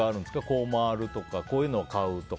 こう回るとかこういうのを買うとか。